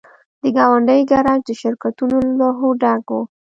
د ګاونډۍ ګراج د شرکتونو له لوحو ډک و